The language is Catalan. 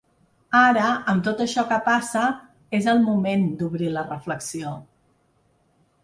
Ara, amb tot això que passa, és el moment d’obrir la reflexió.